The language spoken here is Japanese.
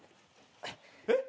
えっ？